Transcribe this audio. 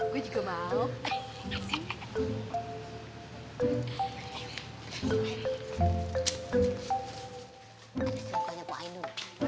gue juga mau